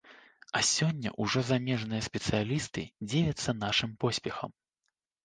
А сёння ўжо замежныя спецыялісты дзівяцца нашым поспехам.